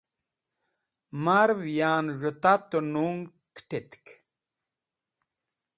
Marev yan z̃hũ tat-e nung kẽt̃etk.